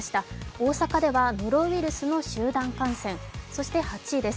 大阪ではノロウイルスの集団感染、そして８位です。